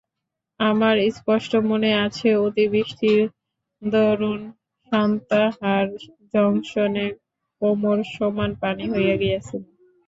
আমার স্পষ্ট মনে আছে, অতিবৃষ্টির দরুন সান্তাহার জংশনে কোমর-সমান পানি হইয়া গিয়াছিল।